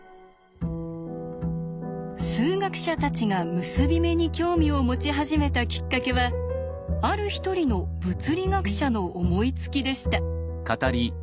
数学者たちが結び目に興味を持ち始めたきっかけはある一人の物理学者の思いつきでした。